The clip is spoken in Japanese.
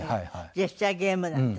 ジェスチャーゲームなんて。